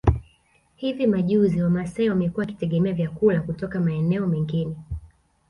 Hivi majuzi wamasai wamekuwa wakitegemea vyakula kutoka maeneo mengine